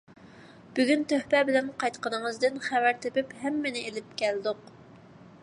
بۈگۈن تۆھپە بىلەن قايتقىنىڭىزدىن خەۋەر تېپىپ ھەممىنى ئېلىپ كەلدۇق.